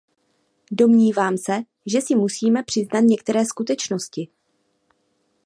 Domnívám se, že si musíme přiznat některé skutečnosti.